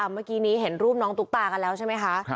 เมื่อกี้นี้เห็นรูปน้องตุ๊กตากันแล้วใช่ไหมคะ